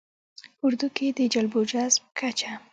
ه اردو کې د جلب او جذب کچه